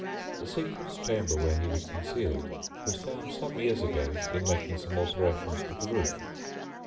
The secret chamber where he was concealed was found some years ago in making some alterations to the roof.